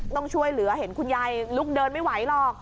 ต้องช่วยเหลือเห็นคุณยายลุกเดินไม่ไหวหรอก